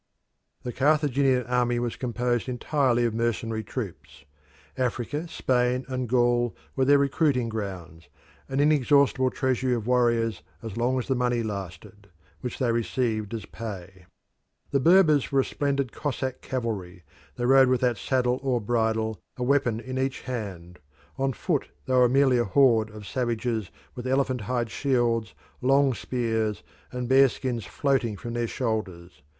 The Carthaginian army was composed entirely of mercenary troops. Africa, Spain and Gaul were their recruiting grounds, an inexhaustible treasury of warriors as long as the money lasted which they received as pay. The Berbers were a splendid Cossack cavalry; they rode without saddle or bridle, a weapon in each hand; on foot they were merely a horde or savages with elephant hide shields, long spears, and bear skins floating from their shoulders.